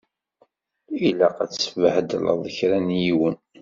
Ilaq ad tsebhedleḍ kra n yiwen.